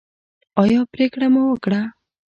ایا پریکړه مو وکړه؟